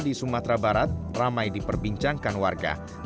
di sumatera barat ramai diperbincangkan warga